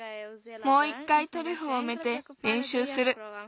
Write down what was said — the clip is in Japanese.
もういっかいトリュフをうめてれんしゅうする。